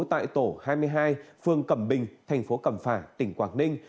tại tổ hai mươi hai phường cẩm bình thành phố cẩm phả tỉnh quảng ninh